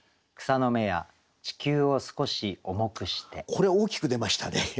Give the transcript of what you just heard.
これ大きく出ましたね。